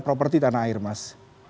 properti tanah air mas